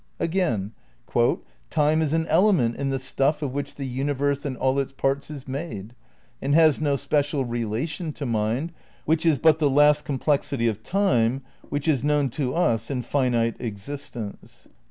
Again : "Time is an element in the stuff of which the universe and all its parts is made, and has no special relation to mind, which is but the last complexity of Time which is known to us in finite existence."